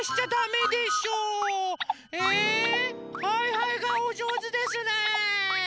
えはいはいがおじょうずですね。